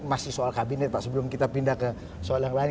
masih soal kabinet pak sebelum kita pindah ke soal yang lain